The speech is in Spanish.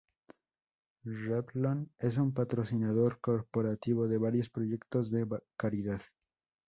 Revlon es un patrocinador corporativo de varios proyectos de caridad.